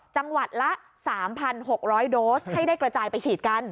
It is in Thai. จังหวัดละ๓๖๐๐โดสให้ได้กระจายไปฉีดกัน